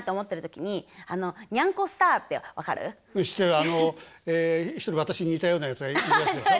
あの一人私に似たようなやつがいるやつでしょ？